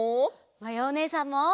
まやおねえさんも！